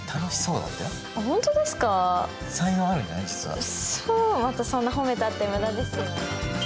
うっそまたそんな褒めたって無駄ですよ。